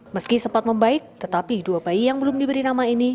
meski sempat membaik tetapi dua bayi yang belum diberi nama ini